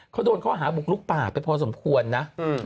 เขาโดนข้อหาบุกลุกป่าไปพอสมควรนะ